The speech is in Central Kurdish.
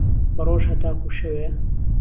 به ڕۆژ ههتاکوو شەوێ